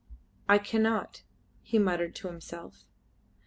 "I cannot," he muttered to himself.